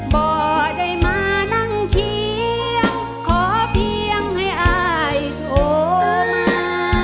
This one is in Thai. บ่อได้มานั่งเคียงขอเพียงให้อายโทรมา